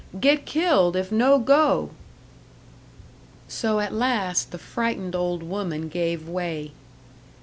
Get killed if no go!" So at last the frightened old woman gave way.